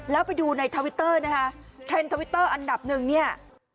แล้วไปดูในทวิตเตอร์นะคะเทรนด์ทวิตเตอร์อันดับหนึ่งเนี่ย